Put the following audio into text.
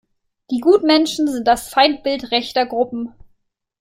Die Gutmenschen sind das Feindbild rechter Gruppen.